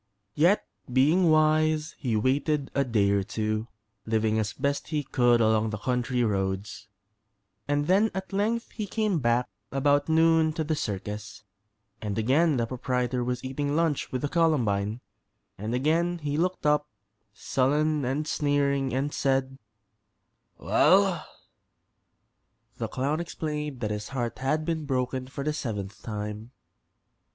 Yet, being wise, he waited a day or two, living as best he could along the country roads, and then at length he came back about noon to the circus, and again the proprietor was eating lunch with the Columbine, and again he looked up, sullen and sneering, and said: "Well?" The clown explained that his heart had been broken for the seventh time.